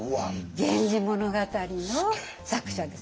「源氏物語」の作者です。